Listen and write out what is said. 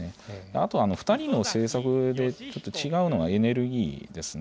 あと、２人の政策でちょっと違うのは、エネルギーですね。